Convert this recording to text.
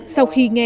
sau khi nghe